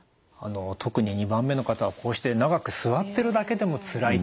特に２番目の方こうして長く座ってるだけでもつらいって。